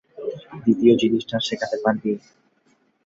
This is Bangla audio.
দ্বিতীয় জিনিসটা শেখাতে পারবি?